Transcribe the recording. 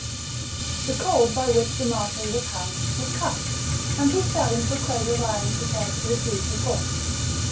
The cord by which the marshal was hung was cut, and he fell into a cradle of iron prepared to receive the corpse.